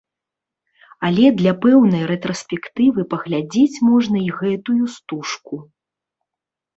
Але для пэўнай рэтраспектывы паглядзець можна і гэтую стужку.